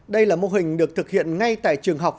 đây là mô hình được thực hiện ngay tại trường học